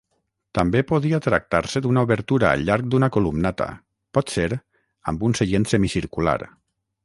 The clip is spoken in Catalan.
També podia tractar-se d'una obertura al llarg d'una columnata, potser amb un seient semicircular.